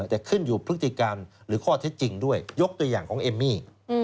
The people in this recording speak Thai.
แต่ขึ้นอยู่พฤติการหรือข้อเท็จจริงด้วยยกตัวอย่างของเอมมี่